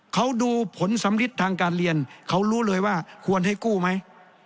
เขาดูผลสำริดทางการเรียนเขารู้เลยว่าควรให้กู้ไหม